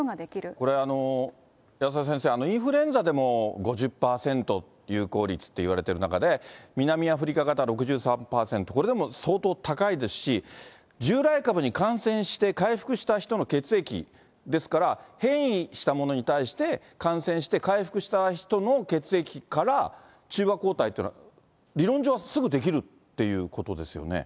これ、保田先生、インフルエンザでも５０％、有効率っていわれている中で、南アフリカ型６３％、これでも相当高いですし、従来株に感染して、回復した人の血液ですから、変異したものに対して、感染して、回復した人の血液から、中和抗体って、理論上はすぐ出来るっていうことですよね。